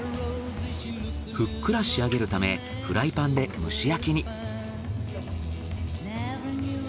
ふっくら仕上げるためフライパンで蒸し焼きに。